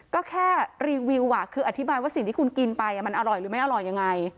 ก็แค่รีวิวคืออธิบายว่าสิ่งที่คุณกินไปมันอร่อยหรือไม่อร่อยยังไง